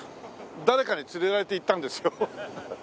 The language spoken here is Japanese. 誰かに連れられて行ったんですよ。